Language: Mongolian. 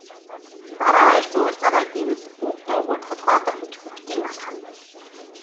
Дараа ирж уулзаарай гэвэл үг дуугүй толгой дохиж бөгтийн алхана.